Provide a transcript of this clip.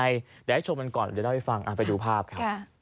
เดี๋ยวให้ชมกันก่อนเดี๋ยวเล่าให้ฟังไปดูภาพครับ